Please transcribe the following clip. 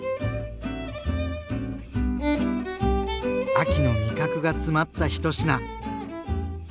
秋の味覚が詰まった１品。